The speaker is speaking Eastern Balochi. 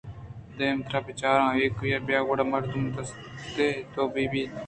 دیمتر ءَ بچار ءُایوک ءَبیا گڑا مردم دستے دو بیت